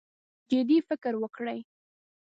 جدي فکر وکړي.